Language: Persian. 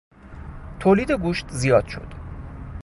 تولید گوشت زیاد شد.